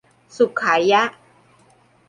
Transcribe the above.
สุขายะ